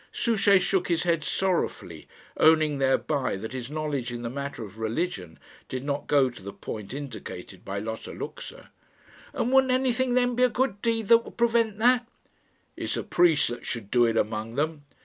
Souchey shook his head sorrowfully, owning thereby that his knowledge in the matter of religion did not go to the point indicated by Lotta Luxa. "And wouldn't anything, then, be a good deed that would prevent that?" "It's the priests that should do it among them."